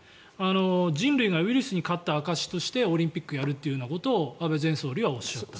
人類がウイルスに勝った証しとしてオリンピックをやるということを安倍前総理はおっしゃった。